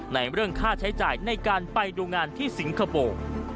ในเรื่องค่าใช้จ่ายในการไปดูงานที่สิงคโปร์